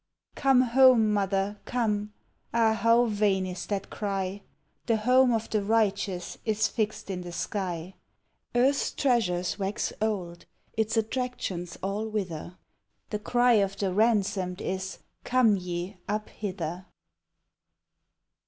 "Come home, mother, come!" Ah, how vain is that cry, The home of the righteous is fixed in the sky! Earth's treasures wax old, its attractions all wither, The cry of the ransomed is, "Come ye up hither!"